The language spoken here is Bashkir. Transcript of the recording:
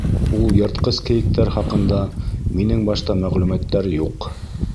— Ул йыртҡыс кейектәр хаҡында минең башта мәғлүмәттәр юҡ...